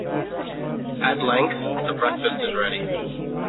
At length the breakfast is ready.